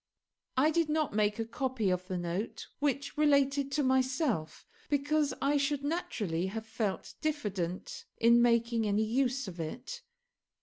I did not make a copy of the note which related to myself, because I should naturally have felt diffident in making any use of it.